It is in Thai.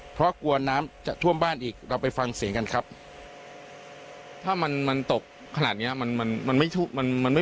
เพราะกลัวน้ำจะท่วมบ้านอีกเราไปฟังเสียงกันครับถ้ามันมันตกขนาดเนี้ยมันมันไม่ถูกมันไม่